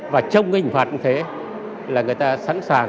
và trong hình phạt cũng thế là người ta sẵn sàng